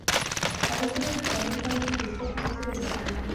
ازادي راډیو د تعلیم په اړه د فیسبوک تبصرې راټولې کړي.